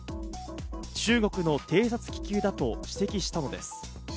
中国の偵察気球だと指摘したのです。